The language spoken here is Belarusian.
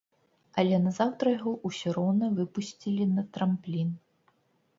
Але назаўтра яго ўсё роўна выпусцілі на трамплін.